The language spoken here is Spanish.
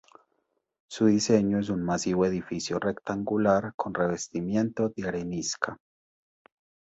Su diseño es un masivo edificio rectangular con revestimiento de arenisca.